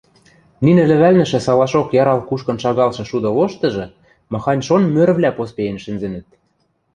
Нинӹ лӹвӓлнӹшӹ салашок ярал кушкын шагалшы шуды лоштыжы махань-шон мӧрвлӓ поспеен шӹнзӹнӹт.